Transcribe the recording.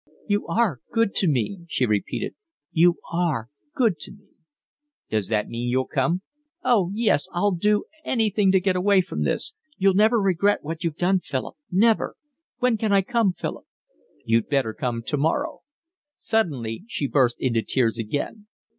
"You are good to me," she repeated. "You are good to me." "Does that mean you'll come?" "Oh, yes, I'd do anything to get away from this. You'll never regret what you've done, Philip, never. When can I come, Philip?" "You'd better come tomorrow." Suddenly she burst into tears again.